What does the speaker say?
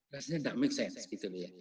rasanya tidak make sense